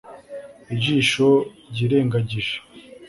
Ijisho ryirengagije